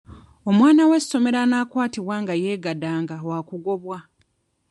Omwana w'essomero anaakwatibwa nga yeegadanga wakugobwa.